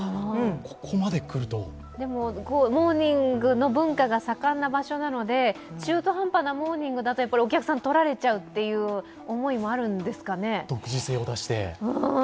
ここまでくるとでもモーニングの文化が盛んな場所なので中途半端なモーニングだとお客さんがとられちゃうという思いもあるんですかね。